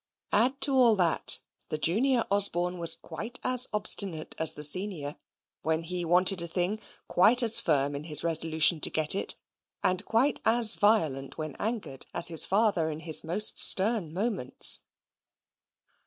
Add to all that the junior Osborne was quite as obstinate as the senior: when he wanted a thing, quite as firm in his resolution to get it; and quite as violent when angered, as his father in his most stern moments.